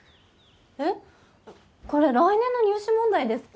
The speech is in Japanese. えっこれ来年の入試問題ですか？